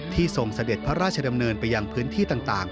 ทรงเสด็จพระราชดำเนินไปยังพื้นที่ต่าง